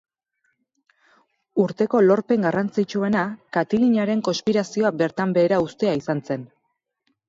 Urteko lorpen garrantzitsuena Katilinaren konspirazioa bertan behera uztea izan zen.